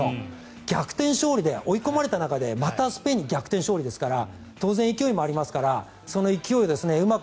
逆転勝利で追い込まれた中でまたスペインに逆転勝利ですから当然勢いもありますからその勢いをうまく